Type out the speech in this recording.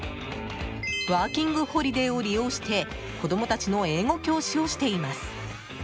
ワーキングホリデーを利用して子供たちの英語教師をしています。